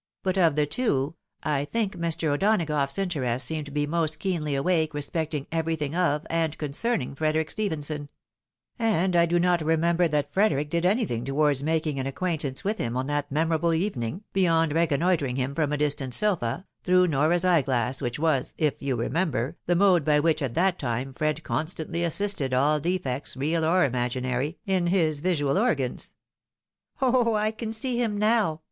But of the two, I tliink Mr. O'Dona gough's interest seemed to be most keenly awake respecting everything of and concerning Frederick Stephenson — and I do not remember that Frederick did anything towards making an acquaintance with him on that memorable evening, beyond reconnoitring him from a distant sofa, through Nora's eyeglass, AN KQUIVOCAL CHARACTKR. 127 which was, if you remember, the mode by which at that time Fred constantly assisted all defects real or imaginary in his visual organs." " Oh ! I can see him now